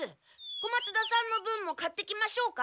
小松田さんの分も買ってきましょうか？